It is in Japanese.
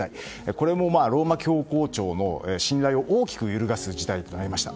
これもローマ教皇庁の信頼を大きく揺るがす事態になりました。